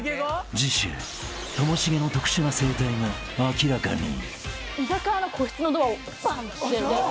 ［次週ともしげの特殊な生態が明らかに］